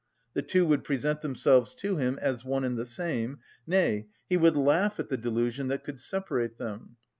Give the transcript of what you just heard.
The two would present themselves to him as one and the same; nay, he would laugh at the delusion that could separate them.